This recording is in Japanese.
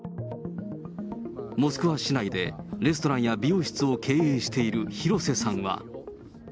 モスクワ市内で、レストランや美容室を経営している廣瀬さんは。